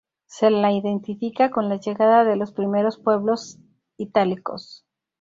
Se la identifica con la llegada de los primeros pueblos itálicos.